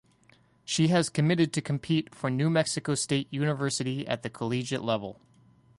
She has committed to compete for New Mexico State University at the collegiate level.